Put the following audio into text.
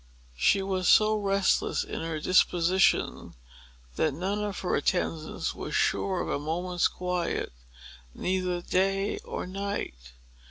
She was so restless in her disposition, that none of her attendants were sure of a moment's quiet, neither day nor night.